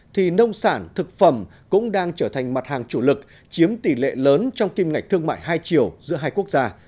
thì nông sản thực phẩm cũng đang trở thành mặt hàng chủ lực chiếm tỷ lệ lớn trong kim ngạch thương mại hai triệu giữa hai quốc gia